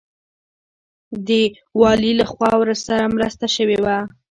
د والي لخوا ورسره مرسته شوې وه.